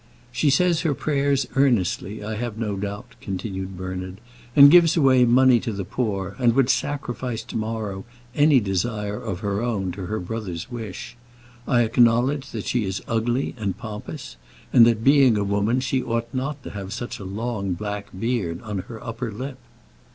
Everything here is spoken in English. "She says her prayers earnestly, I have no doubt," continued Bernard, "and gives away money to the poor, and would sacrifice to morrow any desire of her own to her brother's wish. I acknowledge that she is ugly, and pompous, and that, being a woman, she ought not to have such a long black beard on her upper lip."